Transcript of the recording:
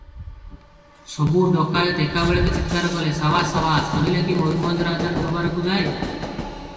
ସବୁ ଡକାଏତ ଏକାବେଳକେ ଚିତ୍କାର କଲେ, "ସାବାସ ସାବାସ, ନୋହିଲେ କି ମୟୂରଭଞ୍ଜ ରାଜା ଦରବାରକୁ ଯାଏ ।"